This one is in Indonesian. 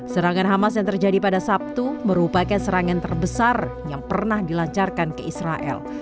serangan hamas yang terjadi pada sabtu merupakan serangan terbesar yang pernah dilancarkan ke israel